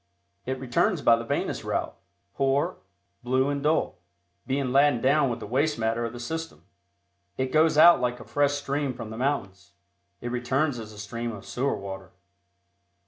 It returns by the venous route, poor, blue and dull, being laden down with the waste matter of the system. It goes out like a fresh stream from the mountains; it returns as a stream of sewer water.